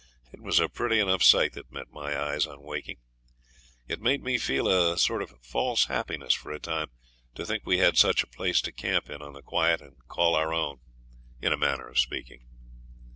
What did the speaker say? It was a pretty enough sight that met my eyes on waking. It made me feel a sort of false happiness for a time, to think we had such a place to camp in on the quiet, and call our own, in a manner of speaking.